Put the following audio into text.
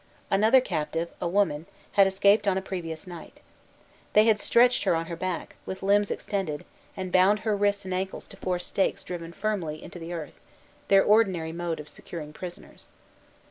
Another captive, a woman, had escaped on a previous night. They had stretched her on her back, with limbs extended, and bound her wrists and ankles to four stakes firmly driven into the earth, their ordinary mode of securing prisoners.